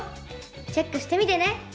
チェックしてみてね！